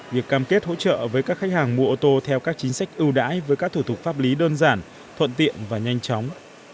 việc cam kết hỗ trợ với các khách hàng mua ô tô theo các chính sách ưu đãi với các thủ tục pháp lý đơn giản thuận tiện và nhanh chóng